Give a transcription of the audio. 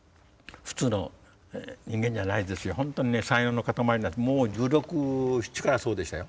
本当にね才能の塊もう１６１７からそうでしたよ。